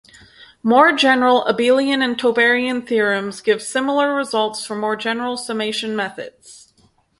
More general abelian and tauberian theorems give similar results for more general summation methods.